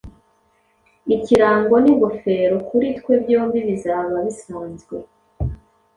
Ikirango ningofero kuri twe byombi bizaba bisanzwe